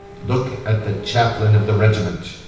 Look at the chaplain of the regiment!